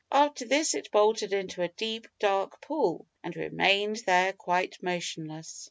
After this it bolted into a deep, dark pool, and remained there quite motionless.